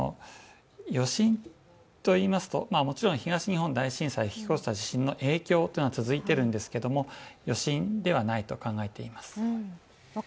余震といいますともちろん東日本大震災を引き起こした地震の影響というのは続いているんですけども余震ではないと考えています。